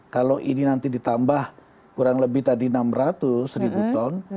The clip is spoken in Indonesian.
kalau ini nanti ditambah kurang lebih tadi enam ratus ribu ton